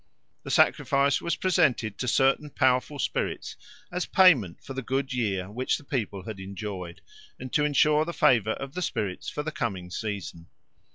The sacrifice was presented to certain powerful spirits as payment for the good year which the people had enjoyed, and to ensure the favour of the spirits for the coming season.